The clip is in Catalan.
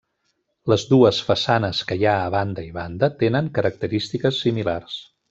Les dues façanes que hi ha a banda i banda tenen característiques similars.